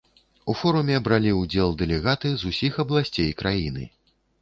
У форуме бралі ўдзел дэлегаты з усіх абласцей краіны.